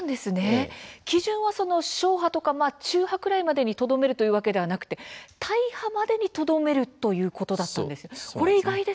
基準は小破とか中破くらいにとどめるというわけではなく大破までにとどめるということだったんですね。